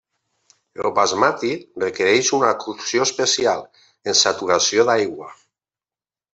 El Basmati requerix una cocció especial, en saturació d'aigua.